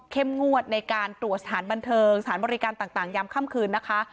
งวดในการตรวจสถานบันเทิงสถานบริการต่างยามค่ำคืนนะคะ